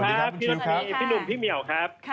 สวัสดีค่ะพี่รักษณียพี่หนุ่มพี่เหมียวครับ